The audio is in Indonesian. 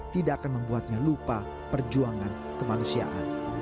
tidak akan membuatnya lupa perjuangan kemanusiaan